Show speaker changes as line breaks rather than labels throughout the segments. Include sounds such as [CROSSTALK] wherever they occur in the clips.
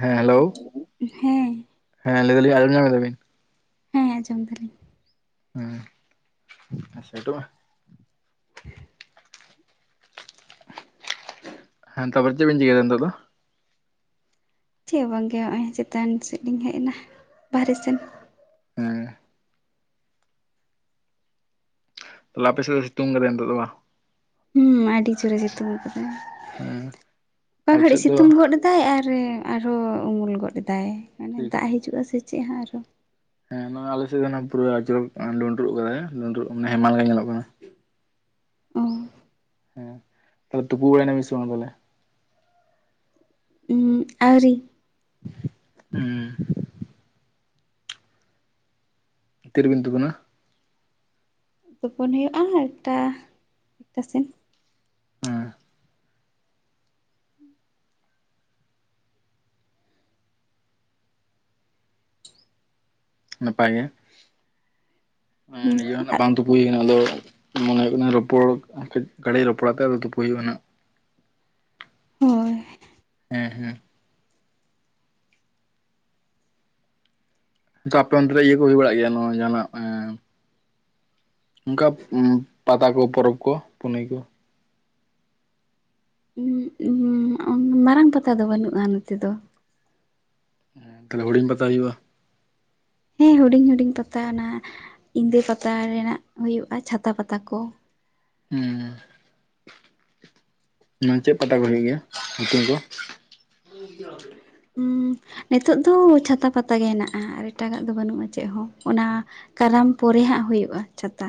ᱦᱮᱸ ᱦᱮᱞᱳ
ᱦᱮᱸ
ᱦᱮᱸ ᱞᱟᱹᱭ ᱫᱟᱞᱤᱧ ᱟᱡᱚᱢ ᱧᱟᱢ ᱮᱫᱟ ᱵᱤᱱ
ᱦᱮᱸ ᱟᱹᱡᱚᱢ ᱫᱟᱞᱤᱧ
ᱦᱮᱸ ᱥᱟᱭᱤᱴᱚᱜ ᱢᱮ ᱦᱮᱸ ᱛᱚᱯᱚᱨ ᱪᱮᱫ ᱵᱮᱱ ᱪᱤᱠᱟᱹᱭᱫᱟ ᱱᱤᱛᱚ ᱫᱚ
ᱪᱮᱫ ᱵᱟᱝᱜᱮ ᱱᱚᱜᱼᱚᱭ ᱪᱮᱛᱟᱱ ᱥᱮᱫ ᱞᱤᱧ ᱦᱮᱡ ᱮᱱᱟ ᱵᱟᱦᱨᱮ ᱥᱮᱱ
ᱦᱮᱸ ᱛᱟᱦᱞᱮ ᱟᱯᱮᱥᱮᱫ ᱫᱚ ᱥᱤᱛᱩᱝᱜ ᱠᱟᱫᱟ ᱱᱤᱛᱚᱜ ᱫᱚᱜ ᱵᱟᱝ
ᱦᱩᱸ ᱟᱹᱰᱤ ᱡᱳᱨᱮ ᱥᱤᱛᱩᱝ ᱟᱠᱟᱭ
ᱦᱮᱸ
ᱚᱠᱟ
ᱟᱞᱮ
ᱜᱷᱟᱹᱲᱤᱡ
ᱥᱮᱫ ᱫᱚ
ᱥᱤᱛᱩᱝ ᱜᱚᱫ ᱫᱟᱭ ᱟᱨᱮ ᱟᱨᱦᱚᱸ ᱩᱢᱩᱞ ᱜᱚᱫ ᱮᱫᱟᱭ ᱢᱟᱱᱮ
ᱴᱷᱤᱠ
ᱫᱟᱜ ᱦᱤᱡᱩᱜᱼᱟ ᱥᱮ ᱪᱮᱫ ᱦᱚᱸ ᱟᱨᱚᱦᱚ
ᱦᱮᱸ ᱱᱚᱜ ᱟᱞᱮᱥᱮᱫ ᱫᱚ ᱱᱟᱹᱜ ᱯᱩᱨᱟᱹ ᱟᱹᱰᱤ ᱡᱳᱨᱮ ᱰᱳᱸᱰᱨᱚᱜ‌ ᱠᱟᱫᱟᱭ ᱰᱳᱸᱰᱨᱚᱜ ᱢᱟᱱᱮ ᱦᱮᱢᱟᱞ ᱜᱮ ᱧᱮᱞᱚᱜ ᱠᱟᱱᱟ
ᱚ
ᱦᱮᱸ ᱛᱟᱦᱽᱞᱮ ᱛᱩᱯᱩ ᱵᱟᱲᱟᱭᱼᱱᱟᱵᱤᱱ ᱥᱮ ᱵᱟᱝ ᱛᱟᱦᱽᱞᱮ
ᱟᱹᱣᱨᱤ
ᱦᱩᱸ ᱛᱤᱨᱤᱵᱤᱱ ᱛᱩᱯᱩᱱᱟᱹ
ᱛᱳᱯᱚᱱ ᱦᱩᱭᱩᱜᱼᱟ ᱮᱠᱴᱟ ᱮᱠᱴᱟ ᱥᱮᱱ
ᱦᱮᱸ ᱱᱟᱯᱟᱭ ᱜᱮ
ᱦᱩᱸ
ᱱᱤᱡᱮ ᱦᱚ ᱱᱟᱜ ᱵᱟᱝ ᱛᱩᱯᱩ ᱦᱩᱭ ᱠᱟᱱᱟ ᱟᱫᱚ ᱢᱟᱱᱮ ᱦᱩᱭᱩᱜ ᱠᱟᱱᱟ ᱨᱚᱯᱚᱲ ᱠᱟᱹᱡ ᱜᱟᱹᱲᱤᱡ ᱨᱚᱯᱚᱲᱟ ᱛᱮ ᱟᱫᱚ ᱛᱩᱯᱩ ᱦᱩᱭᱩᱜᱼᱟ ᱱᱟᱹᱜ
ᱦᱳᱭ
ᱦᱮᱸ ᱦᱮᱸ ᱟᱪᱪᱭ ᱟᱯᱮ ᱚᱱᱛᱮᱨᱮ ᱤᱭᱟᱹ ᱠᱚ ᱦᱩᱭ ᱵᱟᱲᱟᱜ ᱜᱮᱭᱟ ᱱᱚᱭ ᱡᱟᱦᱟᱱᱟᱜ ᱚᱝᱠᱟ ᱩ ᱯᱟᱛᱟ ᱠᱚ ᱯᱚᱨᱚᱵᱽ ᱠᱚ ᱯᱩᱱᱟᱹᱭ ᱠᱚ
ᱢᱟᱨᱟᱝ ᱯᱟᱛᱟ ᱫᱚ ᱵᱟᱹᱱᱩᱜᱼᱟ ᱱᱚᱛᱮ ᱫᱚ
ᱛᱟᱦᱚᱞᱮ ᱦᱩᱤᱧ ᱯᱟᱛᱟ ᱦᱩᱭᱩᱜᱼᱟ
ᱦᱮᱸ ᱦᱩᱰᱤᱧ ᱦᱩᱰᱤᱧ ᱯᱟᱛᱟ ᱱᱟᱦᱟᱜ ᱤᱸᱫᱟᱹ ᱯᱟᱛᱟ ᱨᱮᱱᱟᱜ ᱦᱩᱭᱩᱜᱼᱟ ᱪᱷᱟᱛᱟ ᱯᱟᱛᱟ ᱠᱚ
ᱦᱮᱸ ᱪᱮᱫ ᱯᱟᱛᱟ ᱠᱚ ᱞᱮᱭ ᱜᱮᱭᱟ ᱧᱩᱛᱩᱢ ᱠᱚ [UNINTELLIGIBLE]
ᱦᱩᱸ ᱱᱤᱛᱚᱜ ᱫᱚ ᱪᱷᱟᱛᱟ ᱯᱟᱛᱟ ᱜᱮ ᱦᱮᱱᱟᱜᱼᱟ ᱟᱨ ᱮᱴᱟᱜᱟᱜ ᱫᱚ ᱵᱟᱹᱱᱩᱜᱼᱟ ᱪᱮᱫ ᱦᱚᱸ ᱚᱱᱟ ᱠᱟᱨᱟᱢ ᱯᱚᱨᱮ ᱦᱟᱸᱜ ᱦᱩᱭᱩᱜᱼᱟ ᱪᱷᱟᱛᱟ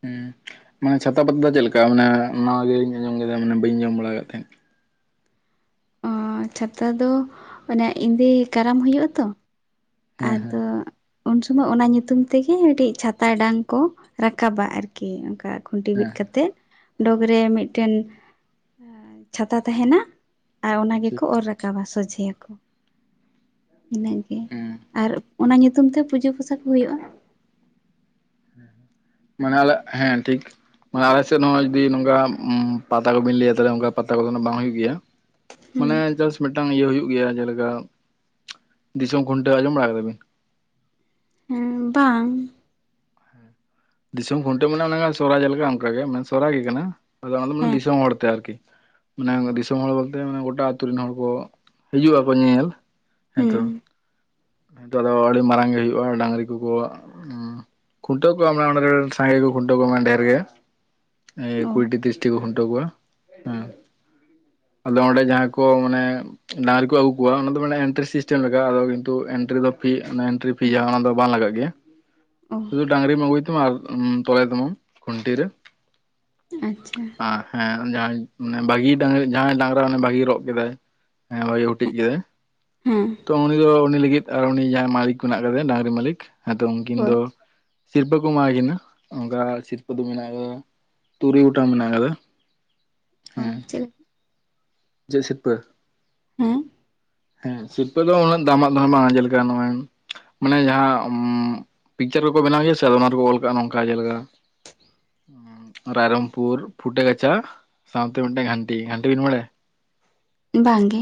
ᱦᱩᱸ ᱢᱟᱱᱮ ᱪᱷᱟᱛᱟ ᱯᱟᱛᱟ ᱫᱚ ᱪᱮᱫ ᱞᱮᱠᱟ ᱢᱟᱱᱮ ᱱᱟᱣᱟᱜᱤᱧ ᱟᱸᱡᱚᱢ ᱠᱮᱫᱟ ᱢᱟᱱᱮ ᱵᱟᱹᱧ ᱟᱸᱡᱚᱢ ᱵᱟᱲᱟ ᱠᱟᱫ ᱛᱟᱦᱮᱸᱫ
ᱚᱹ ᱪᱷᱟᱛᱟ ᱫᱚ ᱚᱱᱮ ᱮᱫᱮ ᱠᱟᱨᱟᱢ ᱦᱩᱭᱩᱜᱼᱟ ᱛᱚ
ᱦᱮᱸ
ᱟᱫᱚ
ᱦᱮᱸ
ᱩᱱ ᱥᱚᱢᱚᱭ ᱚᱱᱟ ᱧᱩᱛᱩᱢ ᱛᱮᱜᱮ ᱢᱤᱫᱴᱤᱡ ᱪᱷᱟᱛᱟᱭ ᱰᱟᱝ ᱠᱚ ᱨᱟᱠᱟᱵᱟ ᱟᱨᱠᱤ ᱚᱝᱠᱟ ᱠᱷᱩᱱᱴᱤ ᱵᱤᱫ ᱠᱟᱛᱮᱫ ᱰᱚᱜᱽᱨᱮ ᱢᱤᱫᱴᱮᱱ ᱪᱷᱟᱛᱟ ᱛᱟᱦᱮᱱᱟ ᱟᱨ ᱚᱱᱟ
ᱴᱷᱤᱠ
ᱜᱮᱠᱚ ᱚᱨ
ᱴᱷᱤᱠ
ᱨᱟᱠᱟᱵᱟ ᱥᱚᱡᱷᱮᱭᱟᱠᱚ ᱤᱱᱟᱹᱜᱮ
ᱦᱩᱸ
ᱟᱨ ᱚᱱᱟ ᱧᱩᱛᱩᱢ ᱛᱮ ᱯᱩᱡᱟᱹ ᱯᱟᱥᱟ ᱠᱚ ᱦᱩᱭᱩᱜᱼᱟ
ᱢᱟᱱᱮ ᱟᱞᱮ ᱦᱮᱸ ᱴᱷᱤᱠ ᱢᱟᱱᱮ ᱟᱞᱮ ᱥᱮᱫ ᱦᱚᱸ ᱡᱩᱫᱤ ᱱᱚᱝᱠᱟ ᱯᱟᱛᱟ ᱠᱚᱵᱤᱱ ᱞᱟᱹᱭᱟ ᱚᱱᱠᱟ ᱯᱟᱛᱟ ᱠᱚᱫᱚ ᱵᱟᱝ ᱦᱩᱭᱩᱜᱭ ᱜᱮᱭᱟ
ᱦᱮᱸ
ᱢᱟᱱᱮ ᱡᱟᱥ ᱢᱤᱫᱴᱟᱝ ᱤᱭᱟᱹ ᱦᱩᱭᱩᱜ ᱜᱮᱭᱟ ᱡᱮᱞᱮᱠᱟ ᱫᱤᱥᱚᱢ ᱠᱷᱩᱱᱴᱟᱹᱣ ᱟᱸᱡᱚᱢ ᱵᱟᱲᱟ ᱠᱟᱫᱟᱵᱤᱱ
ᱦᱮᱸ ᱵᱟᱝ
ᱫᱤᱥᱚᱢ ᱠᱷᱩᱱᱴᱟᱹᱣ ᱢᱟᱱᱮ ᱥᱚᱨᱦᱟᱭ ᱞᱮᱠᱟ ᱚᱱᱠᱟᱜᱮ ᱢᱟᱱᱮ ᱥᱚᱨᱦᱟᱭ ᱜᱮ ᱠᱟᱱᱟ ᱟᱫᱚ ᱚᱱᱟ ᱫᱚ ᱢᱟᱱᱮ
ᱦᱮᱸ
ᱫᱤᱥᱚᱢ ᱦᱚᱲᱛᱮ ᱟᱨᱠᱤ ᱢᱟᱱᱮ ᱫᱤᱥᱚᱢ ᱦᱚᱲ ᱵᱚᱞᱛᱮ ᱢᱟᱱᱮ ᱜᱚᱴᱟ ᱟᱛᱳ ᱨᱮᱱ ᱦᱚᱲ ᱠᱚ ᱦᱤᱡᱩᱜ ᱟᱠᱚ ᱧᱮᱧᱮᱞ ᱦᱮᱸᱛᱚ
ᱦᱮᱸ
ᱦᱮᱛᱚ ᱟᱫᱚ ᱟᱹᱰᱤ ᱢᱟᱨᱟᱝ ᱜᱮ ᱦᱩᱭᱩᱜᱼᱟ ᱰᱟᱝᱨᱤ ᱠᱚᱠᱚ ᱠᱷᱩᱱᱴᱟᱹᱣ ᱚᱸᱰᱮ ᱨᱮᱱ ᱥᱟᱸᱜᱮ ᱠᱚ ᱠᱷᱩᱱᱴᱟᱹᱣ ᱠᱚᱣᱟ ᱰᱷᱮᱨ ᱜᱮ ᱮ
ᱚ
ᱠᱩᱲᱤᱴᱤ ᱛᱨᱤᱥᱴᱤ ᱠᱚ ᱠᱷᱩᱱᱴᱟᱹ ᱠᱚᱣᱟ ᱦᱮᱸ ᱟᱫᱚ ᱚᱸᱰᱮ ᱡᱟᱦᱟᱸ ᱠᱚ ᱢᱟᱱᱮ ᱰᱟᱝᱨᱤ ᱠᱚ ᱟᱹᱜᱩ ᱠᱚᱣᱟ ᱚᱱᱟ ᱫᱚ ᱢᱟᱱᱮ ᱮᱱᱴᱨᱤ ᱥᱤᱥᱴᱮᱢ ᱞᱟᱜ ᱟᱫᱚ ᱠᱤᱱᱛᱩ ᱮᱱᱴᱨᱤ ᱫᱚ ᱯᱷᱤ ᱮᱱᱴᱨᱤ ᱯᱷᱤ ᱡᱟᱦᱟᱸ ᱚᱱᱟ ᱫᱚ ᱵᱟᱝ ᱞᱟᱜᱟᱜ ᱜᱮᱭᱟ
ᱦᱮ
ᱥᱩᱫᱩ ᱰᱟᱝᱨᱤᱢ ᱟᱹᱜᱩᱭ ᱛᱟᱢᱟ ᱟᱨ ᱛᱚᱞᱮ ᱛᱟᱢᱟ ᱠᱷᱩᱱᱴᱤ ᱨᱮ
ᱟᱪᱷᱟ
ᱦᱮᱸ ᱡᱟᱦᱟᱸᱭ ᱵᱷᱟᱹᱜᱤ ᱡᱟᱦᱟᱸᱭ ᱰᱟᱝᱨᱟ ᱵᱷᱟᱜᱤ ᱨᱚᱜ ᱠᱮᱫᱟᱭ ᱦᱮᱸ ᱳᱭ ᱦᱩᱴᱤᱡ ᱜᱤᱭᱟ. ᱭ
ᱦᱮᱸ
ᱛᱚ ᱩᱱᱤ ᱫᱚ ᱩᱱᱤ ᱞᱟᱹᱜᱤᱫ ᱟᱨ ᱩᱱᱤ ᱡᱟᱦᱟᱸᱭ ᱢᱟᱞᱤᱠ ᱢᱮᱱᱟᱜ ᱠᱟᱫᱮᱭᱟ ᱰᱟᱝᱨᱤ ᱢᱟᱞᱤᱠ ᱱᱤᱛᱚᱝ ᱩᱱᱠᱤᱱ
ᱦᱳᱭ
ᱫᱚ ᱥᱤᱨᱯᱟᱹ ᱠᱚ ᱮᱢ ᱠᱤᱱᱟᱹ ᱚᱱᱠᱟ ᱥᱤᱨᱯᱟᱹ ᱫᱚ ᱢᱮᱱᱟᱜᱼᱟ ᱛᱩᱨᱩᱭ ᱜᱴᱟᱝ ᱢᱮᱱᱟᱜ ᱟᱠᱟᱫᱟ᱾
ᱚ
ᱦᱮᱸ
ᱪᱮᱫ
ᱪᱮᱫ ᱥᱤᱨᱯᱟᱹ?
ᱦᱮᱸ
ᱦᱮᱸ ᱥᱤᱨᱯᱟᱹ ᱫᱚ ᱩᱱᱟᱹᱜ ᱫᱟᱢᱟᱜ ᱫᱚ ᱵᱟᱝ ᱡᱮᱞᱮᱠᱟ ᱱᱚᱜᱼᱚᱭ ᱢᱟᱱᱮ ᱡᱟᱦᱟᱸ ᱯᱤᱠᱪᱟᱨ ᱠᱚᱠᱚ ᱵᱮᱱᱟᱣ ᱜᱮᱭᱟ ᱥᱮ ᱚᱱᱟ ᱨᱮᱠᱚ ᱚᱞ ᱠᱟᱜᱼᱟ ᱱᱚᱝᱠᱟ ᱡᱮᱞᱮᱠᱟ ᱨᱟᱭᱨᱚᱝᱯᱩᱨ ᱯᱷᱩᱴᱟᱹ ᱜᱟᱪᱷᱟ ᱥᱟᱶᱛᱮ ᱢᱤᱫᱴᱟᱝ ᱟᱱᱴᱤ ᱟᱱᱴᱤ ᱵᱤᱱ ᱵᱟᱲᱟᱭᱟ
ᱵᱟᱝ ᱜᱮ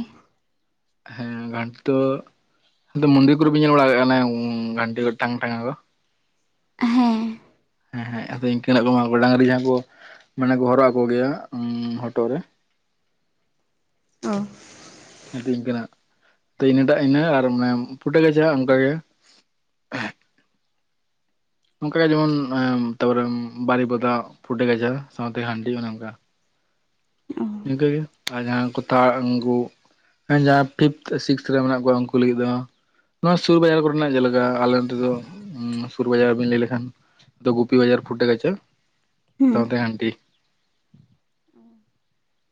ᱦᱮᱸ ᱜᱷᱟᱴ ᱫᱚ ᱟᱫᱚ ᱢᱚᱱᱫᱤᱨ ᱠᱚᱨᱮᱵᱮᱱ ᱧᱮᱞ ᱵᱟᱲᱟᱜ ᱠᱟ ᱦᱟᱱᱮ ᱜᱷᱟᱱᱴᱤ ᱠᱚ ᱴᱟᱝ ᱴᱷᱟᱝᱜᱟ ᱠᱚ
ᱦᱮᱸ
ᱦᱮᱸ ᱦᱮᱸ ᱟᱫᱚ ᱤᱱᱠᱟᱹᱱᱟᱜ ᱠᱚᱢᱟ ᱰᱟᱝᱨᱤ ᱡᱟᱦᱟᱸ ᱠᱚ ᱢᱟᱱᱮ ᱠᱚ ᱦᱚᱨᱚᱜ ᱟᱠᱚ ᱜᱮᱭᱟ ᱦᱚᱴᱚᱜ ᱨᱮ
ᱚ
ᱦᱮᱸᱛ ᱤᱱᱠᱟᱹᱱᱟᱜ ᱛᱚ ᱤᱱᱟᱹᱴᱟᱜ ᱤᱱᱟᱹ ᱟᱨ ᱢᱟᱱᱮ ᱯᱷᱩᱴᱟᱹ ᱜᱟᱪᱷᱟ ᱚᱱᱠᱟᱜ ᱜᱮ ᱚᱱᱠᱟᱜᱮ ᱡᱮᱢᱚᱱ ᱛᱟᱯᱚᱨᱮ ᱵᱟᱨᱤᱯᱚᱫᱟᱜ ᱯᱷᱩᱴᱟᱹ ᱜᱟᱪᱷᱟ ᱥᱟᱶᱛᱮ ᱦᱟᱺᱰᱤ ᱚᱱᱮ ᱚᱱᱠᱟ
ᱚ
ᱱᱚᱝᱠᱟᱹᱜ ᱜᱮ ᱟᱨ ᱡᱟᱦᱟᱸᱭ ᱠᱚ ᱛᱟᱲ ᱟᱸᱜᱩ ᱦᱮᱸ ᱡᱟᱦᱟᱸᱭ ᱯᱷᱤᱯᱛᱷ ᱥᱤᱠᱥᱛᱷ ᱨᱮ ᱢᱮᱱᱟᱜ ᱠᱚᱣᱟ ᱩᱱᱠᱩ ᱞᱟᱹᱜᱤᱫ ᱫᱚ ᱱᱚᱶᱟ ᱥᱩᱨ ᱵᱟᱡᱟᱨ ᱠᱚᱨᱮᱱᱟᱜ ᱡᱮᱞᱮᱠᱟ ᱟᱞᱮ ᱱᱚᱛᱮ ᱫᱚ ᱥᱩᱨ ᱵᱟᱡᱟᱨ ᱵᱮᱱ ᱞᱟᱹᱭ ᱞᱮᱠᱷᱟᱱ ᱫᱚ ᱜᱩᱯᱤ ᱵᱟᱡᱟᱨ ᱯᱷᱩᱴᱮ ᱠᱟᱪ
ᱦᱮᱸ
ᱥᱟᱶᱛᱮ ᱜᱟᱱᱴᱤ
[INAUDIBLE]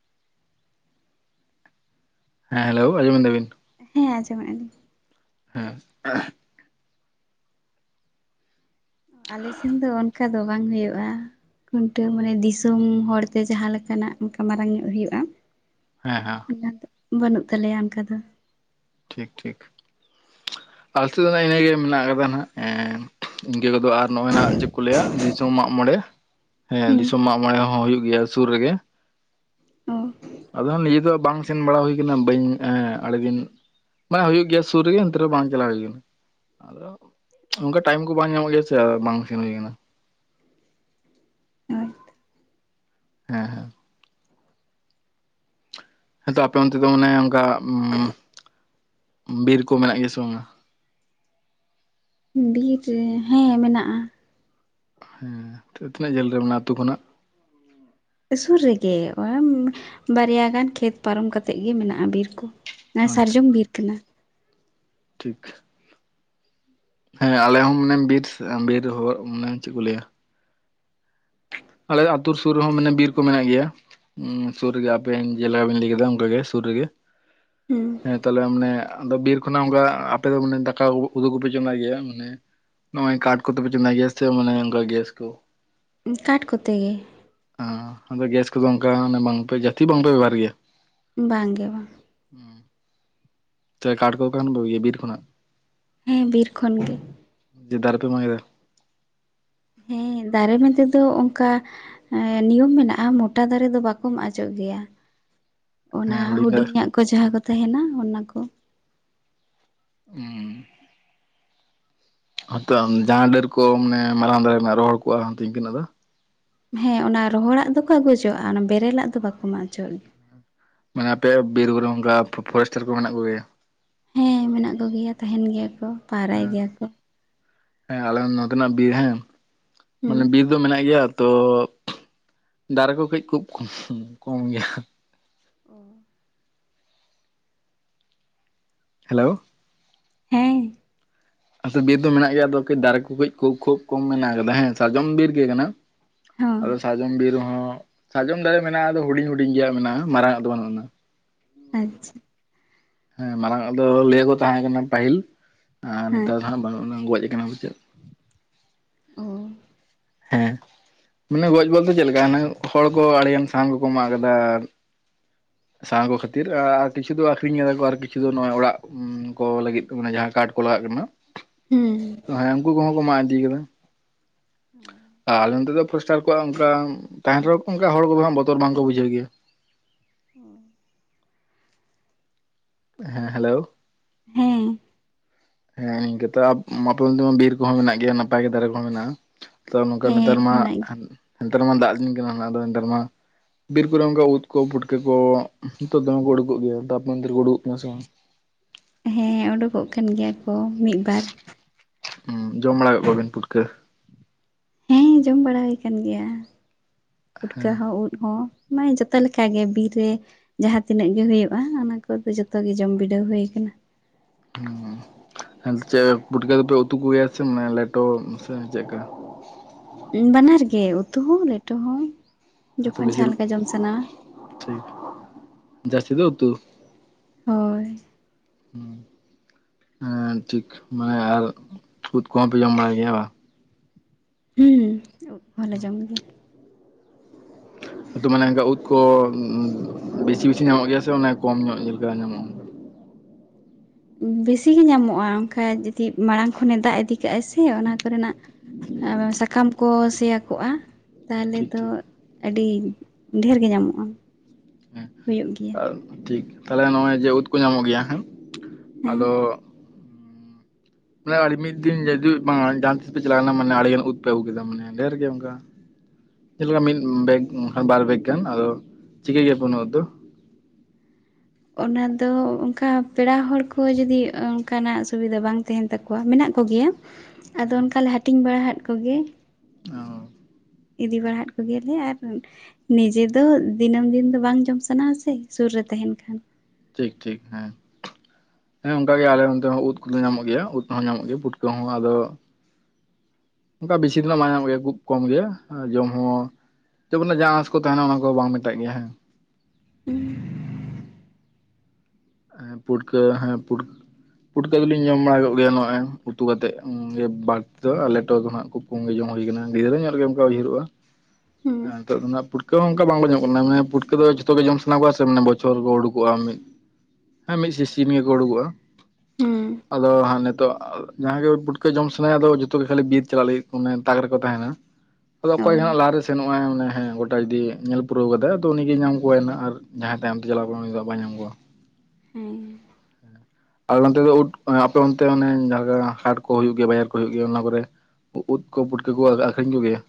ᱦᱮᱸ ᱦᱮᱞᱳ ᱟᱡᱚᱢ ᱢᱮᱫᱟ ᱵᱤᱱ
ᱦᱮᱸ ᱟᱡᱚᱢᱮᱫ -ᱟ ᱞᱤᱧ
ᱦᱮᱸ
ᱟᱞᱮ ᱥᱮᱱ ᱫᱚ ᱚᱱᱠᱟ ᱫᱚ ᱵᱟᱝ ᱦᱩᱭᱩᱜᱼᱟ ᱠᱷᱩᱱᱴᱟᱹᱣ ᱢᱟᱱᱮ ᱫᱤᱥᱚᱢ ᱦᱚᱲᱛᱮ ᱡᱟᱦᱟᱸ ᱞᱮᱠᱟᱱᱟᱜ ᱚᱱᱠᱟ ᱢᱟᱨᱟᱝ ᱧᱚᱜ ᱦᱩᱭᱩᱜᱼᱟ
ᱦᱮᱸ ᱦᱮᱸ
ᱵᱟᱹᱱᱩᱜ ᱛᱟᱞᱮᱭᱟ ᱚᱱᱠᱟ ᱫᱚ
ᱴᱷᱤᱠ ᱴᱷᱤᱠ
[INAUDIBLE]
ᱟᱞᱮ ᱥᱤᱫ ᱫᱚ ᱱᱟᱜ ᱤᱱᱟᱹ ᱜᱮ ᱢᱮᱱᱟᱜ ᱠᱟᱫᱟ ᱱᱟᱜ ᱤᱱᱠᱟᱹ ᱠᱚᱫᱚ ᱟᱨ ᱱᱚᱜᱼᱚᱭ ᱱᱟᱦᱟᱜ ᱪᱮᱫ ᱠᱚ ᱞᱟᱹᱭᱟ ᱫᱤᱥᱚᱢ ᱢᱟᱜ ᱢᱚᱬᱮ
[INAUDIBLE]
ᱦᱮᱸ ᱫᱤᱥᱚᱢ ᱢᱟᱜ ᱢᱚᱬᱮ ᱦᱚᱸ ᱦᱩᱭᱩᱜ ᱜᱮᱭᱟ ᱥᱩᱨ ᱨᱮᱜᱮ
ᱚ
ᱟᱫᱚ ᱱᱤᱡᱮ ᱫᱚ ᱵᱟᱝ ᱥᱮᱱ ᱵᱟᱲᱟ ᱦᱩᱭ ᱟᱠᱟᱱᱟ ᱵᱟᱹᱧ ᱦᱮᱸ ᱟᱹᱰᱤ ᱫᱤᱱ ᱢᱟᱱᱮ ᱦᱚ ᱦᱩᱭᱩᱜ ᱜᱮᱭᱟ ᱥᱩᱨ ᱨᱮᱜᱮ ᱚᱱᱛᱮ ᱨᱮᱦᱚᱸ ᱵᱟᱝ ᱪᱟᱞᱟᱣ ᱦᱩᱭ ᱟᱠᱟᱱᱟ ᱟᱫᱚ ᱚᱱᱠᱟ ᱴᱟᱭᱤᱢ ᱠᱚ ᱵᱟᱝ ᱧᱟᱢᱚᱜ ᱜᱮᱭᱟ ᱥᱮ ᱵᱟᱝ ᱥᱮᱱ ᱦᱩᱭᱩᱜᱼᱟ ᱟᱠᱟᱱᱟ
ᱟᱨ
ᱦᱮᱸ ᱦᱮᱸ ᱟᱫ ᱟᱯᱮ ᱚᱱᱛᱮ ᱫᱚ ᱢᱟᱱᱮ ᱚᱱᱠᱟ ᱵᱤᱨ ᱠᱚ ᱢᱮᱱᱟᱜ ᱜᱮᱭᱟ ᱥᱮ ᱵᱟᱝ?
ᱵᱤᱨ ᱨᱮ ᱦᱮᱸ ᱢᱮᱱᱟᱜᱼᱟ
ᱦᱮᱸ ᱛᱤᱱᱟᱹᱜ ᱡᱷᱟᱹᱞ ᱨᱮ ᱢᱮᱱᱟᱜᱼᱟ ᱟᱹᱛᱩ ᱠᱷᱚᱱᱟᱜ?
ᱥᱩᱨ ᱨᱮᱜᱮ ᱵᱟᱨᱭᱟ ᱜᱟᱱ ᱠᱷᱮᱛ ᱯᱟᱨᱚᱢ ᱠᱟᱛᱮᱫ ᱜᱮ ᱢᱮᱱᱟᱜᱼᱟ ᱵᱤᱨ ᱠᱚ
ᱟᱪᱪᱷᱟ
ᱮᱸᱥᱟᱨᱡᱚᱢ
ᱟᱪᱪᱷᱟ
ᱵᱤᱨ ᱠᱟᱱᱟ
ᱴᱷᱤᱠ ᱦᱮᱸ ᱟᱞᱮ ᱦᱚᱸ ᱢᱟᱱᱮ ᱵᱤᱨ ᱵᱤᱨ ᱦᱚᱲ ᱢᱟᱱᱮ ᱪᱮᱫ ᱠᱚ ᱞᱟᱹᱭᱟ ᱟᱞᱮ ᱟᱹᱛᱩ ᱥᱩᱨ ᱨᱮᱦᱚᱸ ᱢᱟᱱᱮ ᱵᱤᱨ ᱠᱚ ᱢᱮᱱᱟᱜ ᱜᱮᱭᱟ ᱥᱩᱨ ᱨᱮᱜᱮ ᱟᱵᱮᱱ ᱡᱮᱞᱮᱠᱟ ᱵᱮᱱ ᱞᱟᱹᱭ ᱠᱮᱫᱟ ᱚᱱᱠᱟᱜ ᱜᱮ ᱥᱩᱨ ᱨᱮᱜᱮ
ᱦᱩᱸ
ᱦᱮᱸ ᱛᱟᱦᱚᱞᱮ ᱢᱟᱱᱮ ᱵᱤᱨ ᱠᱷᱚᱱᱟᱜ ᱚᱱᱠᱟ ᱟᱯᱮ ᱫᱚ ᱢᱟᱱᱮ ᱫᱟᱠᱟ ᱩᱫᱩᱜᱯᱮ ᱪᱚᱸᱫᱟᱭ ᱜᱮᱭᱟ ᱢᱟᱱᱮ ᱱᱚᱜᱼᱚᱭ ᱠᱟᱴ ᱠᱚᱛᱮ ᱯᱮ ᱪᱚᱸᱫᱟᱭ ᱜᱮᱭᱟᱥ ᱥᱮ ᱢᱟᱱᱮ ᱚᱱᱠᱟ ᱜᱮᱥ ᱠᱚ
ᱠᱟᱴ ᱠᱚᱛᱮ ᱜᱮ
ᱦᱚᱸ ᱟᱫᱚ ᱜᱮᱥ ᱠᱚᱫᱚ ᱚᱱᱠᱟ ᱵᱟᱝᱯᱮ ᱡᱟᱹᱥᱛᱤ ᱵᱟᱝᱯᱮ ᱵᱮᱵᱚᱦᱟᱨ ᱜᱮᱭᱟ
ᱵᱟᱝ ᱜᱮ ᱵᱟᱝ
ᱦᱮᱸ ᱛᱮ ᱠᱟᱴᱠᱚ ᱚᱠᱟ ᱠᱷᱚᱱ ᱯᱮ ᱟᱹᱜᱩᱨᱟ ᱵᱤᱨ ᱠᱷᱚᱱᱟᱜ
ᱦᱮᱸ ᱵᱤᱨ ᱠᱷᱚᱱ ᱜᱮ
ᱡᱮ ᱫᱟᱨᱮ ᱯᱮ ᱢᱟᱜ ᱠᱮᱫᱟ
ᱦᱮᱸ ᱫᱟᱨᱮ ᱢᱮᱱ ᱛᱮᱫᱚ ᱚᱱᱠᱟ ᱱᱤᱭᱚᱢ ᱢᱮᱱᱟᱜᱼᱟ ᱢᱳᱴᱟ ᱫᱟᱨᱮ ᱫᱚ ᱵᱟᱠᱚ ᱢᱟᱜ ᱦᱚᱪᱚᱜ ᱜᱮᱭᱟ ᱚᱱᱟ
ᱦᱮᱸ ᱦᱩᱰᱤᱧ ᱫᱟᱨᱮ
ᱦᱩᱰᱤᱧᱟᱜ ᱠᱚ ᱡᱟᱦᱟᱸ ᱠᱚ ᱛᱟᱦᱮᱱᱟ ᱚᱱᱟᱠᱚ
ᱦᱩᱸ ᱦᱛᱳ ᱡᱟᱦᱟᱸ ᱰᱟᱹᱨ ᱠᱚ ᱢᱟᱱᱮ ᱢᱟᱨᱟᱝ ᱫᱷᱟᱨᱮ ᱨᱮᱱᱟᱜ ᱨᱚᱦᱚᱲ ᱠᱚᱜᱼᱟ ᱤᱱᱠᱟᱹᱱᱟᱜ ᱫᱚ
ᱦᱮᱸ ᱚᱱᱟ ᱨᱚᱦᱚᱲᱟᱜ ᱫᱚᱠᱚ ᱟᱹ ᱜᱩᱚᱡᱚᱜᱼᱟ ᱚᱱᱟ ᱵᱮᱨᱮᱞᱟᱜ ᱫᱚ ᱵᱟᱠᱚ ᱢᱟᱜ ᱪᱚᱣᱟᱜ ᱜᱮᱭᱟ
ᱢᱟᱱᱮ ᱟᱯᱮᱭᱟᱜ ᱵᱤᱨ ᱵᱩᱨᱩ ᱚᱱᱠᱟ ᱯᱷᱚᱨᱮᱥᱴᱟᱨ ᱠᱚ ᱢᱮᱱᱟᱜ ᱠᱚᱜᱮᱭᱟ
ᱦᱮᱸ ᱢᱮᱱᱟᱜ ᱠᱚᱜᱮᱭᱟ ᱛᱟᱦᱮᱱ ᱜᱮᱭᱟ ᱠᱚ ᱯᱟᱦᱨᱟᱭ
ᱦᱮᱸ
ᱜᱮᱭᱟ ᱠᱚ
ᱦᱮᱸ ᱟᱞᱮ ᱱᱚᱛᱮᱱᱟᱜ ᱵᱤᱨ ᱦᱮᱸ
ᱦᱩᱸ
ᱢᱟᱱᱮ ᱵᱤᱨ ᱫᱚ ᱢᱮᱱᱟᱜ ᱜᱮᱭᱟ ᱛᱚ ᱫᱟᱨᱮ ᱠᱚ ᱠᱟᱹᱡ ᱠᱷᱩᱵ ᱠᱚᱢ ᱜᱮᱭᱟ
ᱚ
ᱦᱮᱞᱳᱣ
ᱦᱮᱸ
ᱟᱞᱮᱥᱮᱫ ᱵᱤᱨ ᱫᱚ ᱢᱮᱱᱟᱜ ᱜᱮᱭᱟ ᱟᱫᱚ ᱠᱟᱹᱡ ᱫᱟᱨᱮ ᱠᱚ ᱠᱟᱹᱡ ᱠᱷᱩᱵ ᱠᱚᱢ ᱢᱮᱱᱟᱜ ᱟᱠᱟᱫᱟ ᱦᱮᱸ ᱥᱟᱨᱡᱚᱢ ᱵᱤᱨ ᱜᱮ ᱠᱟᱱᱟ
ᱦᱚᱸ
ᱟᱫᱚ ᱥᱟᱨᱡᱚᱢ ᱵᱤᱨ ᱦᱚᱸ ᱥᱟᱨᱡᱚᱢ ᱫᱟᱨᱮ ᱢᱮᱱᱟᱜᱼᱟ ᱟᱫᱚ ᱦᱩᱰᱤᱧ ᱦᱩᱰᱤᱧ ᱜᱮ ᱢᱮᱱᱟᱜᱼᱟ ᱢᱟᱨᱟᱝ ᱟᱜ ᱫᱚ ᱵᱟᱹᱱᱩᱜ ᱟᱱᱟ
ᱟᱪᱪᱷᱟ
ᱦᱮᱸ ᱢᱟᱨᱟᱝ ᱟᱜ ᱫᱚ ᱞᱟᱹᱭᱟᱠᱚ ᱛᱟᱦᱮᱸ ᱠᱟᱱᱟ ᱯᱟᱹᱦᱤᱞ ᱟᱨ
ᱦᱮᱸ
ᱱᱮᱛᱟᱨ ᱫᱚ ᱦᱟᱸᱜ ᱵᱟᱹᱱᱩᱜ ᱜᱚᱡ ᱟᱠᱟᱱᱟ ᱥᱮ ᱪᱮᱫ
ᱚ
ᱦᱮᱸ ᱢᱟᱱᱮ ᱜᱚᱡ ᱵᱚᱞᱛᱮ ᱪᱮᱫ ᱞᱮᱠᱟ ᱦᱟᱱᱮ ᱦᱚᱲ ᱠᱚ ᱟᱹᱰᱤᱜᱟᱱ ᱥᱟᱦᱟᱱ ᱠᱚᱠᱚ ᱢᱟᱜ ᱠᱟᱫᱟ
[INAUDIBLE]
ᱥᱟᱦᱟᱱ ᱠᱚ ᱠᱷᱟᱹᱛᱤᱨ ᱟᱨ ᱠᱤᱪᱷᱩ ᱫᱚ ᱟᱠᱷᱨᱤᱧ ᱮᱫᱟ ᱠᱚ ᱟᱨ ᱠᱤᱪᱷᱩ ᱫᱚ ᱱᱚᱜᱼᱚᱭ ᱚᱲᱟᱜ ᱠᱚ ᱞᱟᱹᱜᱤᱫ ᱢᱟᱱᱮ ᱡᱟᱦᱟᱸ ᱠᱟᱴ ᱠᱚ ᱞᱟᱜᱟᱜ ᱠᱟᱱᱟ
[INAUDIBLE]
ᱦᱮᱸ ᱩᱱᱠᱩ ᱠᱚᱦᱚᱸ ᱠᱚ ᱢᱟᱜ ᱤᱫᱤ ᱠᱟᱫᱟ
ᱚ
ᱟᱨ ᱟᱞᱮ ᱱᱚᱛᱮ ᱫᱚ ᱯᱷᱥᱴᱟᱨ ᱠᱚ ᱚᱱᱠᱟ ᱛᱟᱦᱮᱱ ᱨᱮᱦᱚᱸ ᱚᱱᱠᱟ ᱦᱚᱲ ᱠᱚ ᱵᱚᱛᱚᱨ ᱵᱟᱝᱠᱚ ᱵᱩᱡᱷᱟᱹᱣ ᱜᱮᱭᱟ
ᱳ
ᱦᱮᱸ ᱦᱮᱞᱳᱣ
ᱦᱮᱸ
ᱦᱮᱸ ᱱᱤᱝᱠᱟᱹ ᱛᱚ ᱟᱯᱮ ᱚᱱᱛᱮ ᱢᱟ ᱵᱤᱨ ᱠᱚᱦᱚᱸ ᱢᱮᱱᱟᱜ ᱜᱮᱭᱟ ᱱᱟᱯᱟᱭ ᱜᱮ ᱫᱟᱨᱮ ᱠᱚᱦᱚᱸ ᱢᱮᱱᱟᱜᱼᱟ ᱛᱚ ᱱᱚᱝᱠᱟ ᱱᱮᱛᱟᱨ
ᱦᱮᱸ
ᱢᱟ
ᱢᱮᱱᱟᱜ
ᱱᱮᱛᱟᱨ ᱢᱟ ᱫᱟᱜ ᱫᱤᱱ ᱠᱟᱱᱟ ᱟᱫᱚ ᱱᱮᱛᱟᱨ ᱢᱟ ᱵᱤᱨ ᱠᱚᱨᱮ ᱚᱱᱠᱟ ᱩᱫ ᱠᱚ ᱯᱷᱩᱴᱠᱟᱹ ᱠᱚ ᱱᱤᱛᱚᱜ ᱫᱚᱢᱮ ᱠᱚ ᱩᱰᱩᱠᱚᱜ ᱜᱮᱭᱟ ᱛᱚ ᱟᱯᱮ ᱚᱱᱛᱮ ᱨᱮ ᱠᱚ ᱩᱰᱩᱠᱚᱜ ᱠᱟᱱᱟ ᱥᱮ ᱵᱟᱝ
ᱦᱮᱸ ᱚᱰᱩᱠᱚᱜ ᱠᱟᱱ ᱜᱮᱭᱟ ᱠᱚ᱾ ᱢᱤᱫ - ᱵᱟᱨ
ᱦᱩᱸ ᱡᱚᱢ ᱵᱟᱲᱟ ᱠᱮᱫ ᱠᱚᱣᱟᱵᱮᱱ ᱯᱩᱴᱠᱟᱹ?
ᱦᱮᱸ ᱡᱚᱢ ᱵᱟᱲᱟ ᱦᱩᱭ ᱠᱟᱱᱟᱱ ᱜᱮᱭᱟ᱾ ᱯᱷᱩᱴᱠᱟᱹ
ᱦᱮᱸ
ᱦᱚᱸ, ᱩᱫ ᱦᱚ ᱢᱟᱱᱮ ᱡᱚᱛᱚ ᱞᱮᱠᱟᱜ ᱜᱮ ᱵᱤᱨ ᱨᱮ ᱡᱟᱦᱟᱸ ᱛᱤᱱᱟᱹᱜ ᱜᱮ ᱦᱩᱭᱩᱜᱼᱟ᱾ ᱚᱱᱟ ᱠᱚᱫᱚ ᱡᱚᱛᱚ ᱜᱮ ᱡᱚᱢ ᱵᱤᱰᱟᱹᱣ ᱦᱩᱭ ᱟᱠᱟᱱᱟ᱾
ᱦᱮᱸ ᱪᱮᱫ ᱯᱩᱴᱠᱟᱹ ᱫᱚ ᱯᱮ ᱩᱛᱩ ᱠᱚᱜᱮᱭᱟ ᱥᱮ ᱢᱟᱱᱮ ᱞᱮᱴᱚ ᱥᱮ ᱪᱮᱫᱠᱟ?
ᱵᱟᱱᱟᱨ ᱜᱮ ᱩᱛᱩ ᱦᱚᱸ ᱞᱮᱴᱚ ᱦᱚᱸ᱾
ᱟ
ᱡᱚᱠᱷᱚᱱ
ᱵᱮᱥᱤᱨ
ᱡᱟᱦᱟᱸ ᱞᱮᱠᱟ ᱡᱚᱢ ᱥᱟᱱᱟᱣᱟ
ᱴᱷᱤᱠ ᱡᱟᱹᱥᱛᱤ ᱫᱚ ᱩᱛᱩ
ᱦᱳᱭ
ᱦᱮᱸ ᱴᱷᱤᱠ ᱢᱟᱱᱮ ᱟᱨ ᱢᱟᱱᱮ ᱩᱫ ᱠᱚᱦᱚᱸ ᱯᱮ ᱡᱚᱢ ᱵᱟᱲᱟᱭ ᱜᱮᱭᱟ ᱵᱟᱝ?
ᱦᱩᱸ ᱩᱫᱽ ᱠᱚᱦᱚᱸ ᱞᱮ ᱡᱚᱢ ᱜᱮᱭᱟ᱾
ᱛᱚ ᱢᱟᱱᱮ ᱚᱱᱠᱟ ᱩᱫ ᱠᱚ ᱵᱮᱥᱤ- ᱵᱮᱥᱤ ᱧᱟᱢᱚᱜ ᱜᱮᱭᱟ ᱥᱮ ᱚᱱᱮ ᱠᱚᱢ ᱧᱚᱜ ᱞᱮᱠᱟ ᱧᱟᱢᱚᱜᱼᱟ?
ᱵᱮᱥᱤᱜ ᱜᱮ ᱧᱟᱢᱚᱜᱼᱟ, ᱚᱱᱠᱟᱱ ᱡᱩᱫᱤ ᱢᱟᱲᱟᱝ ᱠᱷᱚᱱᱮ ᱫᱟᱜ ᱤᱫᱤ ᱪᱤᱠᱟᱹᱜᱟᱭ ᱥᱮ ᱚᱱᱟ ᱠᱚᱨᱮᱱᱟᱜ ᱥᱟᱠᱟᱢ ᱠᱚ ᱥᱮᱭᱟᱠᱚᱜᱼᱟ᱾ ᱛᱟᱦᱚᱞᱮ
ᱴᱷᱤᱠ
ᱫᱚ
ᱴᱷᱤᱠ
ᱟᱹᱰᱤ ᱰᱷᱮᱨ ᱜᱮ ᱧᱟᱢᱚᱜᱼᱟ᱾ ᱦᱩᱭᱩᱜ ᱜᱮᱭᱟ
ᱦᱮᱸ ᱴᱷᱤᱠ ᱛᱟᱦᱞᱮ ᱱᱚᱜᱼᱚᱭ ᱡᱮ ᱩᱫᱽ ᱠᱚ ᱧᱟᱢᱚᱜ ᱜᱮᱭᱟ, ᱦᱮᱸ
ᱦᱮᱸ
ᱟᱫᱚ ᱢᱟᱱᱮ ᱟᱹᱰᱤ ᱢᱤᱫ ᱫᱤᱱ ᱡᱩᱫᱤ ᱵᱟᱝ ᱡᱟᱦᱟᱸᱟᱱ ᱛᱤᱥ ᱯᱮ ᱪᱟᱞᱟᱣ ᱠᱟᱱᱟ ᱢᱟᱱᱮ ᱟᱹᱰᱤᱜᱟᱱ ᱩᱫ ᱯᱮ ᱟᱹᱜᱩ ᱠᱮᱫᱟ, ᱢᱟᱱᱮ ᱰᱷᱮᱨ ᱜᱮ ᱚᱱᱠᱟ ᱪᱮᱫ ᱞᱮᱠᱟ ᱢᱤᱫ ᱵᱮᱜᱽᱟᱱ ᱵᱟᱨ ᱵᱮᱜᱽ ᱜᱟᱱ ᱟᱫᱚ ᱪᱤᱠᱟᱹ ᱜᱮᱭᱟ ᱯᱮ ᱩᱱᱟᱹᱜ ᱫᱚ?
ᱚᱱᱟ ᱫᱚ ᱚᱱᱠᱟ ᱯᱮᱲᱟ ᱦᱚᱲ ᱠᱚ ᱡᱩᱫᱤ ᱚᱱᱠᱟᱱᱟᱜ ᱥᱩᱵᱤᱫᱷᱟ ᱵᱟᱝ ᱛᱟᱦᱮᱱ ᱛᱟᱠᱚᱣᱟ ᱢᱮᱱᱟᱜ ᱠᱚᱜᱮᱭᱟ, ᱟᱫᱚ ᱚᱱᱠᱟᱞᱮ ᱦᱟᱹᱴᱤᱧ ᱵᱟᱲᱟ ᱟᱫ ᱠᱚᱜᱮ
ᱚ
ᱤᱫᱤ ᱵᱟᱲᱟᱫ ᱠᱚᱜᱮᱭᱟᱞᱮ ᱟᱨ ᱱᱤᱡᱮ ᱫᱚ ᱫᱤᱱᱟᱹᱢ ᱫᱤᱱ ᱫᱚ ᱵᱟᱝ ᱡᱚᱢ ᱥᱟᱱᱟ ᱟ ᱥᱮ ᱥᱩᱨ ᱨᱮ ᱛᱟᱦᱮᱱ ᱠᱷᱟᱱ
ᱴᱷᱤᱠ ᱴᱷᱤᱠ ᱦᱮᱸ ᱦᱮᱸ ᱚᱱᱠᱟᱟᱜ ᱜᱮ ᱟᱞᱮ ᱚᱱᱛᱮ ᱦᱚᱸ ᱩᱫ ᱠᱚᱫᱚ ᱧᱟᱢᱚᱜ ᱜᱮᱭᱟ ᱩᱫ ᱦᱚᱸ ᱧᱟᱢᱚᱜ ᱜᱮᱭᱟ ᱯᱩᱴᱠᱟᱹ ᱦᱚᱸ ᱟᱫᱚ ᱚᱱᱠᱟ ᱵᱮᱥᱤ ᱫᱱᱟᱜ ᱢᱟᱟᱭ ᱧᱟᱢᱚᱜ ᱜᱮᱭᱟ ᱠᱷᱩᱵ ᱠᱚᱢ ᱜᱮᱭᱟ ᱟᱨ ᱡᱚᱢ ᱦᱚᱸ ᱪᱚᱵᱚᱱᱮ ᱡᱟᱦᱟᱸ ᱟᱸᱥ ᱠᱚ ᱛᱟᱦᱮᱱᱟ ᱚᱱᱟ ᱠᱚ ᱵᱟᱝ ᱢᱮᱛᱟᱜ ᱜᱮᱭᱟ ᱦᱮᱸ᱾
ᱦᱩᱸ
ᱦᱮᱸ ᱯᱩᱴᱠᱟᱹ ᱦᱮᱸ ᱯᱩᱴᱠ ᱯᱩᱴᱚᱠᱚ ᱫᱚᱞᱤᱧ ᱡᱚᱢ ᱵᱟᱲᱟᱠᱜ ᱜᱮᱭᱟ, ᱱᱚᱜᱼᱚᱭ ᱩᱛᱩ ᱠᱟᱛᱮᱫ ᱵᱟᱹᱲᱛᱤ ᱫᱚ ᱟᱞ ᱴᱚ ᱫᱚ ᱦᱟᱜ ᱠᱚ ᱠᱚᱸᱜᱮ ᱡᱚᱝ ᱦᱩᱭᱭᱟ ᱟᱠᱟᱱᱟ ᱜᱤᱫᱽᱨᱟᱹ ᱧᱮᱞ ᱜᱮ ᱚᱱᱠᱟ ᱩᱭᱟᱹᱨᱚᱜᱼᱟ,
ᱦᱮᱸ
ᱱᱤᱛᱚᱜ ᱫᱚ ᱱᱟᱱᱟᱜ ᱯᱩᱠᱟᱹ ᱦᱚᱸ ᱚᱱᱠᱟ ᱵᱟᱝᱠᱚ ᱧᱚᱜ ᱠᱟᱱᱟᱟᱱᱮ ᱯᱩᱟᱹᱠᱟᱹ ᱫᱚ ᱡᱚᱛ ᱜᱮ ᱡᱚᱢᱟᱱᱟ ᱠᱚᱣᱟ ᱥᱮ ᱢᱟᱱᱮ ᱵᱚᱪᱷᱚᱨ ᱠᱚ ᱩᱰᱩᱠᱚᱜᱼᱟ ᱢᱤᱫ ᱦᱮᱸ ᱢᱤᱫ ᱥᱤ ᱥᱤᱢ ᱜᱮᱠᱚ ᱩᱰᱩᱠᱚᱜᱼᱟ᱾
ᱦᱩᱸ
ᱟᱫᱚ ᱦᱟᱸᱜ ᱱᱤᱛᱚᱜ ᱡᱟᱦᱟᱸ ᱜᱮ ᱯᱩᱴᱠᱟᱹ ᱡᱚᱢ ᱥᱟᱱᱟᱭᱟ ᱟᱫᱚ ᱡᱚᱛᱚ ᱜᱮ ᱠᱷᱟᱹᱞᱤ ᱵᱤᱨ ᱪᱟᱞᱟᱜ ᱞᱟᱹᱜᱤᱫ ᱢᱟᱱᱮ ᱫᱟᱠ ᱨᱮᱠᱚ ᱛᱟᱦᱮᱱᱟ᱾ ᱟᱫᱚ
ᱚ
ᱚᱠᱚᱭ ᱫᱚ ᱱᱟᱜ ᱞᱟᱦᱟ ᱨᱮ ᱥᱮᱱᱚᱜᱼᱟ ᱳᱫᱽ ᱮᱴᱟᱜ ᱡᱩᱫᱤ ᱧᱮᱞ ᱯᱩᱨᱟᱹᱣ ᱠᱟᱫᱟᱭ ᱛᱫᱚ ᱩᱱᱤᱜᱮ ᱧᱟᱢ ᱠᱚᱣᱟᱟᱭᱱᱟᱹᱜ ᱟᱨ ᱡᱟᱦᱟᱸᱭ ᱛᱟᱭᱚᱢ ᱛᱮ ᱪᱟᱞᱞᱟᱣ ᱠᱟᱱᱟ ᱩᱱᱤ ᱫᱚᱟᱜ ᱵᱟᱭ ᱧᱟᱢ ᱠᱚᱣᱟ᱾
ᱦᱮᱸ
ᱟᱞᱮ ᱚᱱᱛᱮ ᱫᱚ ᱩᱴ ᱟᱯᱮ ᱚᱱᱛᱮ ᱚᱱᱮ ᱡᱟᱦᱟᱸ ᱞᱮᱠᱟ ᱦᱟᱴ ᱠᱚ ᱦᱩᱭᱩᱜ ᱜᱮᱭᱟ ᱵᱟᱡᱟᱨ ᱠᱚ ᱦᱩᱭᱩᱜ ᱜᱮᱭᱟ ᱚᱱᱟ ᱠᱚᱨᱮ ᱩᱫᱽ ᱠᱚ ᱯᱩᱴᱠᱳ ᱠᱚ ᱟᱠᱷᱨᱤᱧ ᱠᱚ ᱜᱮᱭᱟ?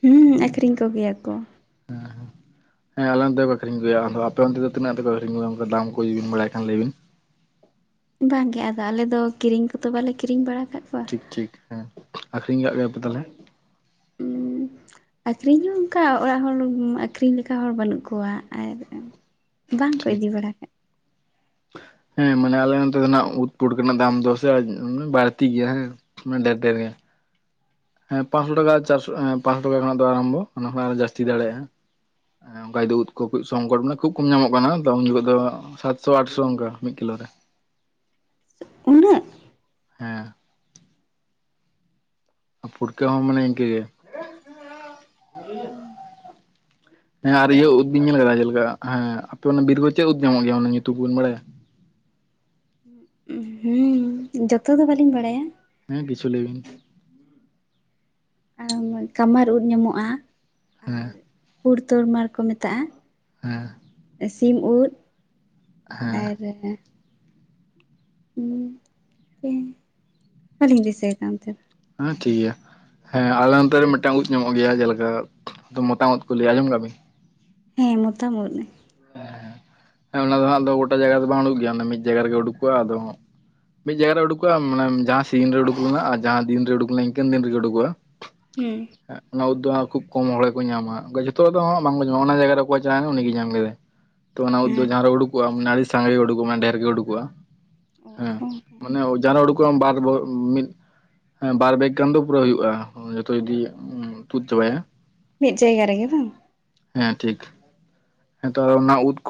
ᱦᱩᱸ ᱟᱹᱠᱷᱨᱤᱧ ᱠᱚᱜᱮᱭᱟ ᱠᱚ᱾
ᱦᱮᱸ ᱦᱸᱮᱸ ᱟᱞᱮ ᱚᱱᱛᱮ ᱫᱚ ᱠᱚ ᱟᱠᱷᱨᱤᱧᱜᱭᱟ ᱟᱫᱚ ᱟᱯᱮ ᱚᱱᱛᱮ ᱫᱚ ᱛᱤᱱᱟᱹᱜ ᱛᱮᱯᱮ ᱟᱹᱷᱨᱤᱧᱜᱭᱟ ᱚᱱ ᱫᱟᱢ ᱠᱚ? ᱦᱳᱭ ᱡᱩᱫᱤ ᱵᱤᱱ ᱵᱟᱲᱟᱭᱟᱱ ᱠᱷᱟᱱ ᱞᱟᱹᱭᱵᱤᱱ᱾
ᱵᱟᱝᱜᱮ ᱟᱫᱚ ᱟᱞᱮᱫ ᱫᱚ ᱠᱤᱨᱤᱧ ᱠᱚᱛᱚ ᱵᱟᱞᱮ ᱠᱤᱨᱤᱧ ᱵᱟᱲᱟ ᱟᱠᱟᱫ ᱠᱚᱣᱟ᱾
ᱴᱷᱤᱠ ᱴᱷᱤᱠ ᱦᱮᱸ ᱟᱠᱷᱨᱤᱧ ᱠᱟᱜ ᱜᱮᱭᱟᱯᱮ ᱛᱟᱦᱚᱞᱮ?
ᱦᱩᱸ ᱟᱠᱷᱨᱤᱧ ᱦᱚᱸ ᱚᱱᱠᱟ ᱚᱲᱟᱜ ᱩᱢ ᱟᱠᱷᱨᱤᱧ ᱞᱮᱠᱟ ᱦᱚᱲ ᱵᱟᱹᱱᱩᱜ ᱠᱚᱣᱟ, ᱟᱨ ᱵᱟᱝᱠᱚ
ᱴᱷᱤᱠ
ᱤᱫᱤ ᱵᱟᱲᱟ ᱠᱟᱜ
ᱦᱮᱸ ᱢᱟᱱᱮ ᱟᱞᱮ ᱱᱚᱛᱮ ᱫᱚᱱᱟᱜ ᱩᱫ ᱯᱩᱴ ᱨᱮᱱᱟᱜ ᱫᱟᱢ ᱫᱚᱥᱮ ᱵᱟᱹᱲᱛᱤ ᱜᱮᱭᱟ ᱦᱮᱸ᱾ ᱢᱟᱱᱮᱮ ᱰᱮᱨ-ᱰᱮᱨ ᱜᱮᱭᱟ᱾ ᱦᱮᱸ ᱯᱟᱸᱥᱚ ᱴᱟᱠᱟ ᱟᱨ ᱪᱟᱨᱚᱥᱚ ᱮᱸ ᱯᱟᱸᱥᱚ ᱴᱟᱠᱟ ᱠᱷᱚᱱᱟᱜ ᱫᱚ ᱟᱨᱟᱢᱵᱚ ᱚᱱᱟ ᱠᱷᱚ ᱟᱨ ᱡᱟᱹᱥᱛᱤ ᱫᱟᱲᱮᱭᱟᱜᱼᱟ᱾ ᱚᱱᱠᱟ ᱡᱩᱫᱤ ᱫᱚ ᱩᱫ ᱠᱚ ᱥᱚᱝᱠᱚᱴ ᱢᱮᱱᱟᱜᱼᱟ ᱠᱷᱩᱵ ᱠᱚᱢ ᱧᱟᱢᱚᱜ ᱠᱟᱱᱟ ᱩᱱ ᱡᱚᱠᱷᱚᱡ ᱫᱚ ᱥᱟᱛᱥᱚ ᱟᱴᱥᱚ ᱚᱱᱠᱟ ᱢᱤᱫ ᱠᱤᱞᱳ ᱨᱮ᱾
ᱩᱱᱟᱹᱜ!
ᱦᱮᱸ ᱯᱷᱩᱴᱠᱟᱹ ᱦᱚᱸ ᱢᱟᱱᱮ ᱤᱱᱠᱟᱹ ᱜᱮ᱾
ᱚ
ᱦᱮᱸ ᱟᱨ ᱤᱭᱟᱹ ᱩᱫ ᱵᱤᱱ ᱧᱮᱞ ᱟᱠᱟᱫᱟ ᱡᱮ ᱞᱮᱠᱟ ᱦᱮᱸ ᱟᱯᱮ ᱚᱱᱟ ᱵᱤᱨ ᱠᱚ ᱪᱮᱫ ᱩᱫ ᱧᱟᱢᱚᱜ ᱜᱮᱭᱟ, ᱚᱱᱟ ᱧᱩᱛᱩᱢ ᱠᱚᱵᱮᱱ ᱵᱟᱲᱟᱭᱟ?
ᱩᱸ ᱦᱩᱸ ᱡᱚᱛᱚ ᱫᱚ ᱵᱟᱹᱞᱤᱧ ᱵᱟᱲᱟᱭᱟ,
ᱦᱮᱸ ᱠᱤᱪᱷᱩ ᱞᱟᱹᱭ ᱵᱤᱱ᱾
ᱟᱢ ᱠᱟᱢᱟᱨ ᱳᱫᱽ ᱧᱟᱢᱚᱜᱼᱟ᱾
ᱦᱮᱸ
ᱯᱩᱸᱴ ᱛᱚᱨ ᱢᱟᱲ ᱠᱚ ᱢᱮᱛᱟᱜᱼᱟ᱾
ᱦᱮᱸ
ᱥᱤᱢ ᱩᱫ
ᱦᱮᱸ
ᱟᱨ [UNINTELLIGIBLE] ᱵᱟᱹᱞᱤᱧ ᱫᱤᱥᱟᱹᱭ ᱫᱟ ᱚᱱᱛᱮ ᱫᱚ
ᱦᱮᱸ ᱴᱷᱤᱠ ᱜᱮᱭᱟ ᱦᱮᱸ ᱟᱞᱮ ᱚᱱᱛᱮ ᱨᱮ ᱢᱤᱫᱴᱟᱝ ᱩᱫ ᱧᱟᱢᱚᱜ ᱜᱮᱭᱟ ᱡᱮᱞᱮᱠᱟ ᱢᱚᱛᱟᱢ ᱩᱫ ᱠᱚ ᱞᱟᱹᱭᱟ ᱟᱸᱡᱚᱢ ᱠᱟᱜ-ᱟ ᱵᱤᱱ
ᱦᱮᱸ ᱢᱚᱛᱟᱢ ᱳᱫᱽ᱾
ᱦᱮᱸ ᱚᱱᱟ ᱫᱚ ᱦᱟᱜ ᱫᱚ ᱜᱚᱴᱟ ᱡᱟᱭᱜᱟ ᱨᱮᱫᱚ ᱵᱟᱝ ᱩᱰᱩ ᱜᱮᱭᱟ ᱢᱤᱫ ᱡᱟᱭᱜᱟ ᱨᱮᱜᱮ ᱩᱰᱩᱠᱚᱜᱼᱟ, ᱟᱫᱚ ᱢᱤᱫ ᱡᱟᱭᱜᱟ ᱨᱮ ᱩᱰᱩᱠᱚᱜᱼᱟ ᱢᱟᱱᱮ ᱡᱟᱦᱟᱸ ᱥᱤᱡᱤᱱ ᱨᱮ ᱩᱰᱩᱠ ᱞᱮᱱᱟ ᱟᱨ ᱡᱟᱦᱟᱸ ᱫᱤᱱ ᱨᱮ ᱩᱰᱩᱠ ᱞᱮᱱᱟ ᱤᱱᱠᱟᱹᱱ ᱫᱤᱱ ᱨᱮᱜᱮ ᱩᱰᱩᱠᱚᱼᱟ᱾
ᱦᱩᱸ
ᱚᱱᱟ ᱩᱫᱽ ᱫᱚ ᱠᱷᱩᱵ ᱠᱚᱢ ᱦᱚᱲ ᱜᱮ ᱠᱚ ᱧᱟᱢᱟ ᱚᱱᱠᱟ ᱡᱷᱚᱛᱚ ᱦᱚᱲ ᱫᱚ ᱦᱚᱸ ᱵᱟᱝᱠᱚ ᱧᱟᱢᱟ ᱚᱱᱟ ᱡᱟᱭᱜᱟ ᱨᱮ ᱚᱠᱚᱭ ᱪᱟᱞᱟᱣᱱᱟ ᱩᱱᱤᱜᱮᱭ ᱧᱟᱢ ᱠᱮᱫᱟᱭ᱾ ᱛᱚ ᱚᱱᱟ ᱩᱫᱽ ᱫᱚ
ᱦᱮᱸ
ᱡᱟᱦᱟᱸ ᱨᱮ ᱩᱰᱩᱠᱚᱜ-ᱟ ᱟᱹᱰᱤ ᱥᱟᱸᱜᱮ ᱜᱮ ᱩᱰᱩᱚᱜᱼᱟ ᱰᱷᱮᱨ ᱜᱮ ᱩᱰᱩᱚᱜᱼᱟ᱾ ᱦᱮᱸ ᱢᱟᱱᱮ ᱡᱟᱦᱟᱸ ᱨᱮ ᱩᱰᱩᱠᱚᱜ ᱟᱢ ᱵᱟᱨ ᱵᱚ ᱢᱤᱫ ᱦᱮᱸ ᱵᱟᱨ ᱵᱮᱜ ᱜᱟᱱ ᱫᱚ ᱯᱩᱨᱟᱹ ᱦᱩᱭᱩᱜᱼᱟ ᱡᱚᱛᱚ ᱡᱩᱫᱤ ᱛᱩᱫ ᱪᱟᱵᱟᱭᱟ
ᱢᱤᱫ ᱡᱟᱭᱜᱟ ᱨᱮᱜᱮ ᱵᱟᱝ
ᱦᱮᱸ ᱴᱷᱤᱠ ᱦᱮᱸ ᱛᱚ ᱟᱨ ᱚᱱᱟ ᱩᱫ ᱠᱚ